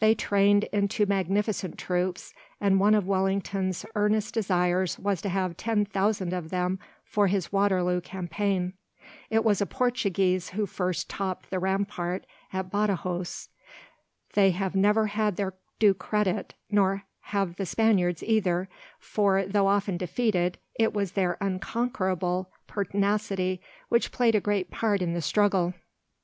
They trained into magnificent troops, and one of Wellington's earnest desires was to have ten thousand of them for his Waterloo campaign. It was a Portuguese who first topped the rampart of Badajos. They have never had their due credit, nor have the Spaniards either, for, though often defeated, it was their unconquerable pertinacity which played a great part in the struggle.